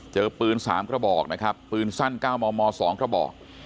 เจอปืน๓กระบอกนะครับปืนสั้น๙มม๒กระบอก